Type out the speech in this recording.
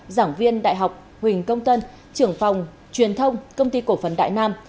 giảng viên đại học huỳnh công tân trưởng phòng truyền thông công ty cổ phần đại nam